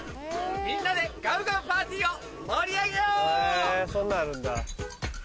みんなでガウガウパーティを盛り上げよう！